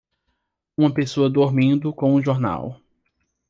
Uma pessoa dormindo com um jornal